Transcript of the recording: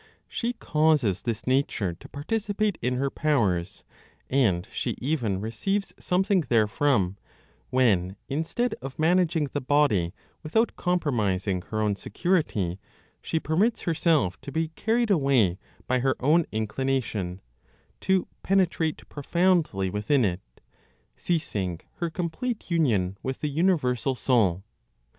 She causes this nature to participate in her powers, and she even receives something therefrom, when, instead of managing the body without compromising her own security, she permits herself to be carried away by her own inclination to penetrate profoundly within it, ceasing her complete union with the universal Soul.